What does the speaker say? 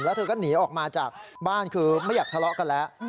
แล้วเธอก็หนีออกมาจากบ้านคือไม่อยากทะเลาะกันแล้ว